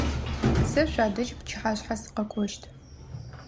Сэ шъуадэжь пчыхьашъхьэ сыкъэкӏощт.